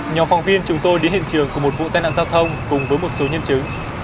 nhóm phóng viên chúng tôi đến hiện trường của một vụ tai nạn giao thông cùng với một số nhân chứng